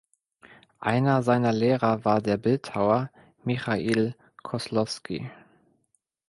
Einer seiner Lehrer war der Bildhauer Michail Koslowski.